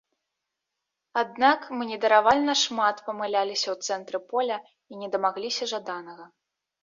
Аднак мы недаравальна шмат памыляліся ў цэнтры поля і не дамагліся жаданага.